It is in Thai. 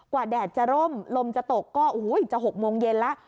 กว่าแดดจะร่มลมจะตกก็อูหูยจะ๖โมงเย็นแล้ว